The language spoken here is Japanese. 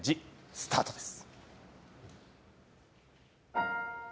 スタートです。